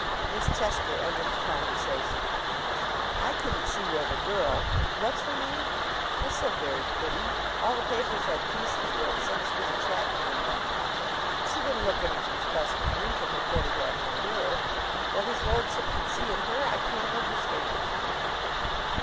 Miss Chester entered the conversation. "I couldn't see where the girl what's her name? was so very pretty. All the papers had pieces where it said she was attractive, and what not; but she didn't look anything special to me from her photograph in the Mirror. What his lordship could see in her I can't understand."